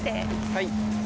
はい。